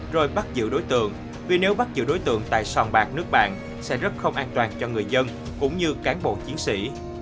rồi bắt giữ đối tượng vì nếu bắt giữ đối tượng tại sòn bạc nước bạn sẽ rất không an toàn cho người dân cũng như cán bộ chiến sĩ